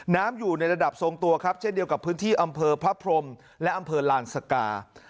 อยู่ในระดับทรงตัวครับเช่นเดียวกับพื้นที่อำเภอพระพรมและอำเภอลานสกา